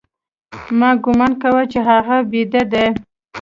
ما گومان کاوه چې هغه بيده دى.